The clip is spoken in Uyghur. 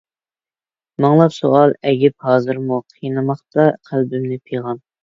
مىڭلاپ سوئال ئەگىپ ھازىرمۇ، قىينىماقتا قەلبىمنى پىغان.